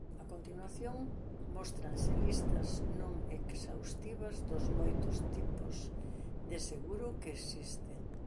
A continuación móstranse listas non exhaustivas dos moitos tipos de seguro que existen.